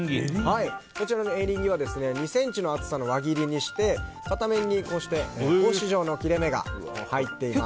こちらのエリンギは２ｃｍの厚さの輪切りにして片面に格子状の切れ目が入っています。